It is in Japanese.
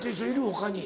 他に。